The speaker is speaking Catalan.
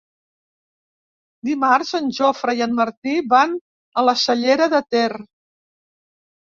Dimarts en Jofre i en Martí van a la Cellera de Ter.